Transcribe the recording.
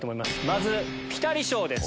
まずピタリ賞です。